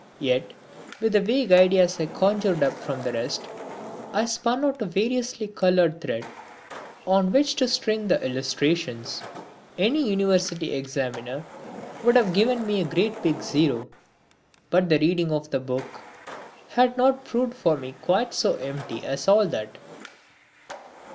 Yet, with the vague ideas I conjured up from the rest, I spun out a variously coloured thread on which to string the illustrations. Any university examiner would have given me a great big zero, but the reading of the book had not proved for me quite so empty as all that.